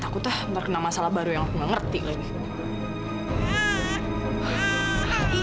takutlah ntar kena masalah baru yang aku gak ngerti lagi